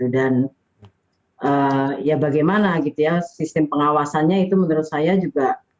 dan ya bagaimana gitu ya sistem pengawasannya itu menurut saya juga